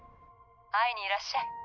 会いにいらっしゃい。